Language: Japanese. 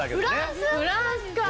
フランスか。